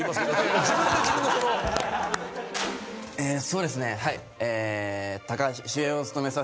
そうですねはいえー。